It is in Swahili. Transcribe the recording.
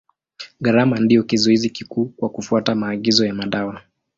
Gharama ndio kizuizi kikuu kwa kufuata maagizo ya madawa.